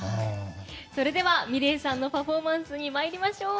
それではｍｉｌｅｔさんのパフォーマンスに参りましょう。